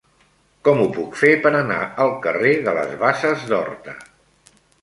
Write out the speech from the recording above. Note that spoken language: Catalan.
Com ho puc fer per anar al carrer de les Basses d'Horta?